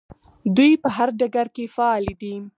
دوی په هر ډګر کې فعالې دي.